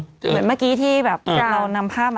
เมื่อกี้ที่เรานำภาพมาให้ครู